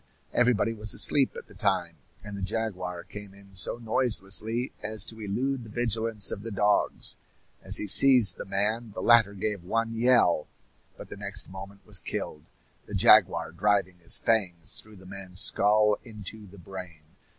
Everybody was asleep at the time, and the jaguar came in so noiselessly as to elude the vigilance of the dogs. As he seized the man, the latter gave one yell, but the next moment was killed, the jaguar driving his fangs through the man's skull into the brain.